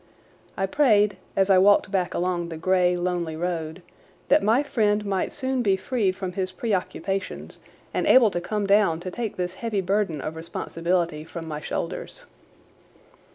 I prayed, as I walked back along the grey, lonely road, that my friend might soon be freed from his preoccupations and able to come down to take this heavy burden of responsibility from my shoulders.